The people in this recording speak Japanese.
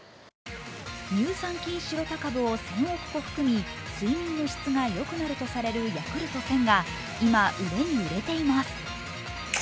乳酸菌シロタ株を１０００億個含み、睡眠の質がよくなるとされるヤクルト１０００が、今売れに売れています。